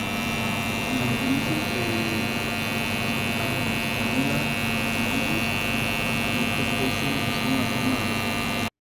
La diferencia entre "Campanula mollis" y esta especie son la forma de las hojas.